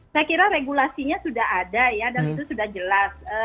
saya kira regulasinya sudah ada ya dan itu sudah jelas